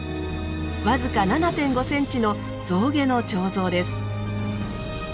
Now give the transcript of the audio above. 僅か７．５ｃｍの象牙の彫像です。